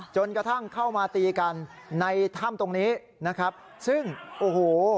จนกระทั่งเข้ามาตีกันในถ้ำตรงนี้นะครับซึ่งโอ้โห